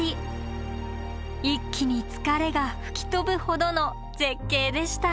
一気に疲れが吹き飛ぶほどの絶景でした